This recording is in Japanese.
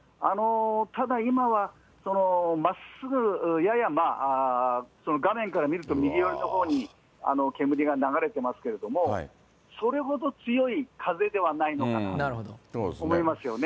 ただ、今はまっすぐやや、画面から見ると右寄りのほうに煙が流れてますけども、それほど強い風ではないのかなと思いますよね。